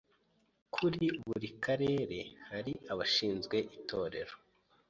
Kuri buri Karere hari abashinzwe itorero